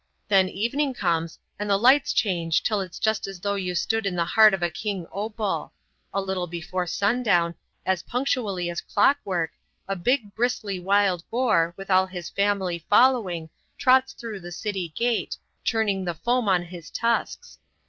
Then evening comes, and the lights change till it's just as though you stood in the heart of a king opal. A little before sundown, as punctually as clockwork, a big bristly wild boar, with all his family following, trots through the city gate, churning the foam on his tusks.